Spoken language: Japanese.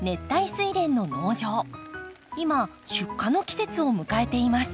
今出荷の季節を迎えています。